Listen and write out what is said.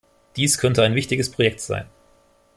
Dies könnte ein wichtiges Projekt sein.